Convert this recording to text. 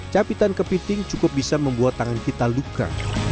capitan kepiting cukup bisa membuat tangan kita luka